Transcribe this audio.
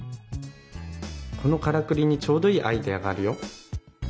このからくりにちょうどいいアイデアがあるよ。